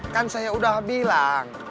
kan saya udah bilang